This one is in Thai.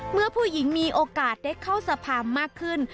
เมื่อผู้หญิงมีโอกาสได้เข้าสภามากขึ้น